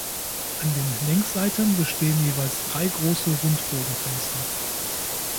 An den Längsseiten bestehen jeweils drei große Rundbogenfenster.